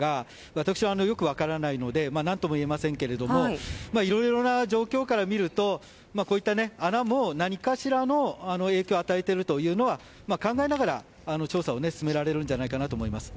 私はよく分からないので何とも言えませんけどいろいろな状況から見るとこういった穴も何かしらの影響を与えているというのは考えながら調査を進められるんじゃないかと思います。